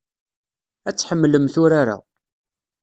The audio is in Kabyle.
Ad tḥemmlemt urar-a.